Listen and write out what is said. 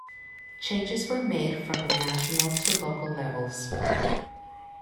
Changes were made from the national to local levels.